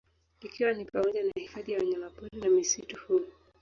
Ikiwa ni pamoja na hifadhi ya wanyamapori na misitu huu